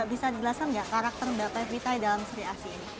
bisa dijelaskan gak karakter mbak pevita di dalam sri asih ini